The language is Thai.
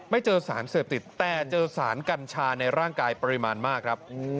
เจอสารเสพติดแต่เจอสารกัญชาในร่างกายปริมาณมากครับ